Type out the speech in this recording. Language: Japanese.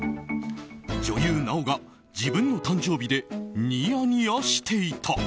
女優・奈緒が自分の誕生日でニヤニヤしていた。